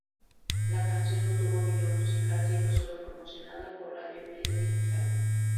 La canción no tuvo video musical siendo solo promocionada por radio y medios digitales.